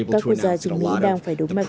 các quốc gia trung mỹ đang phải đối mặt